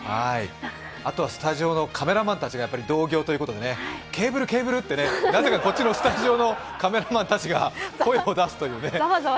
スタジオのカメラマンたちが同業ということでケーブル、ケーブルってなぜかこちらのスタジオのカメラマンたちが声を出すという。